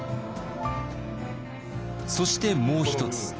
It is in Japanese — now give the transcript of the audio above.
そしてもう一つ。